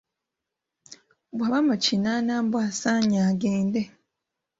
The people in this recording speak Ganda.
Bbwaba mu kinaana mbu asaanye agende.